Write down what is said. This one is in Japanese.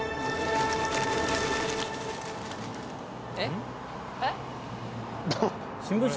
えっ？